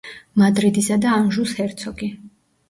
მადრიდისა და ანჟუს ჰერცოგი.